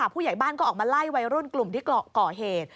ผู้ใหญ่บ้านก็ออกมาไล่วัยรุ่นกลุ่มที่ก่อเหตุ